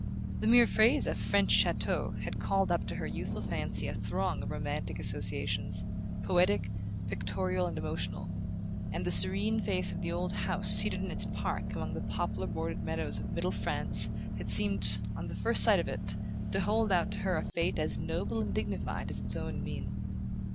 The mere phrase "a French chateau" had called up to her youthful fancy a throng of romantic associations, poetic, pictorial and emotional; and the serene face of the old house seated in its park among the poplar bordered meadows of middle France, had seemed, on her first sight of it, to hold out to her a fate as noble and dignified as its own mien.